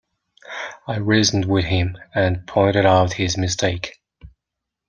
I reasoned with him, and pointed out his mistake.